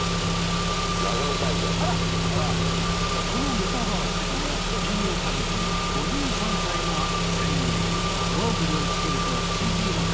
このメタバースに飯尾和樹５３歳が潜入。